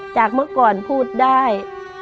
เมื่อก่อนพูดได้